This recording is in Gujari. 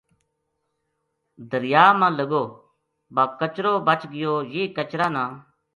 دریا ما لگو با کچرو بچ گیو یہ کچرا نا